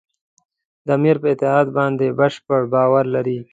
د امیر پر اطاعت باندې بشپړ باور لري.